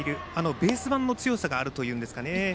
ベース板の強さがあるというんですかね。